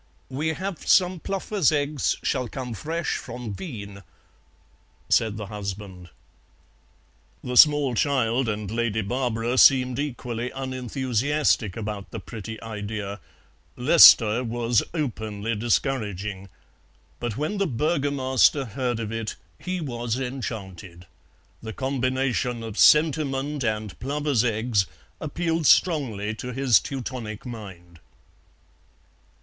"We haf some pluffers' eggs shall come fresh from Wien," said the husband. The small child and Lady Barbara seemed equally unenthusiastic about the pretty idea; Lester was openly discouraging, but when the Burgomaster heard of it he was enchanted. The combination of sentiment and plovers' eggs appealed strongly to his Teutonic mind.